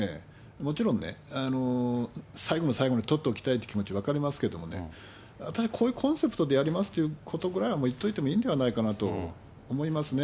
もちろんね、最後の最後に取っておきたいっていう気持ち、分かりますけどもね、私、こういうコンセプトでやりますということぐらいは言っておいてもいいんじゃないかと思いますね。